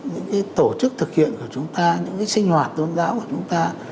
những tổ chức thực hiện của chúng ta những sinh hoạt tôn giáo của chúng ta